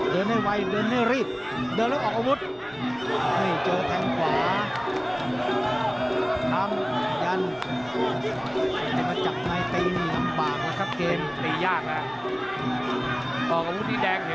เดินให้ไวเดินให้รีบเดินแล้วออกอาวุธ